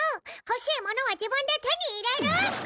欲しいものは自分で手に入れる！